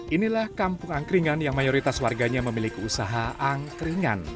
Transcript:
inilah kampung angkeringan yang mayoritas warganya memiliki usaha angkeringan